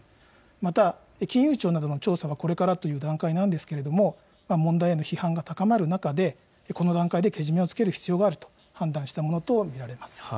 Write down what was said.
また金融庁などの調査はこれからという段階なんですけれども問題への批判が高まる中でこの段階でけじめをつける必要があると判断したものと見られます。